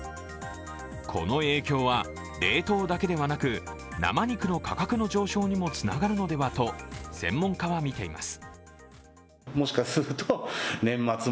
この影響は冷凍だけではなく、生肉の価格の上昇にもつながるのではと専門家は見ています。